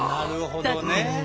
なるほどね。